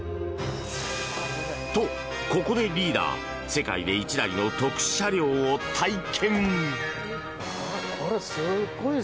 と、ここでリーダー世界で１台の特殊車両を体験！